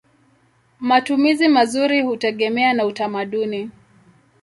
Matumizi mazuri hutegemea na utamaduni.